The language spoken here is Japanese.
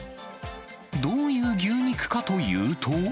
どういう牛肉かというと。